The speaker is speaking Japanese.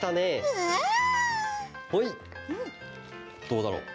どうだろう？